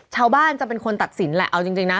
ชาวบ้านจะเป็นคนตัดสินแหละเอาจริงนะ